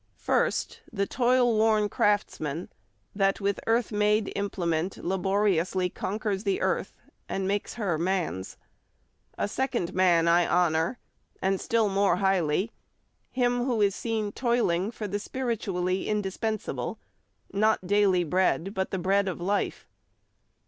First the toilworn craftsman that with earth made Implement laboriously conquers the earth and makes her man's.... A second man I honour, and still more highly: Him who is seen toiling for the spiritually indispensable; not daily bread, but the bread of Life....